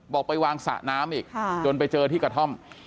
ไปวางสระน้ำอีกจนไปเจอที่กระท่อม